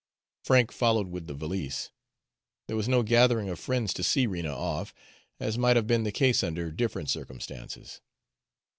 Frank followed with the valise. There was no gathering of friends to see Rena off, as might have been the case under different circumstances.